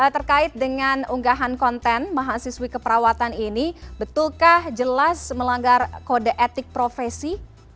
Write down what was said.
terkait dengan unggahan konten mahasiswi keperawatan ini betulkah jelas melanggar kode etik profesi